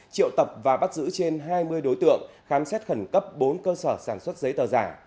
triệu tập và bắt giữ trên hai mươi đối tượng khám xét khẩn cấp bốn cơ sở sản xuất giấy tờ giả